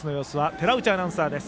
寺内アナウンサーです。